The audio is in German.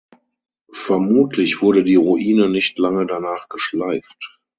Vermutlich wurde die Ruine nicht lange danach geschleift.